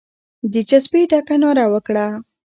د جذبې ډکه ناره وکړه.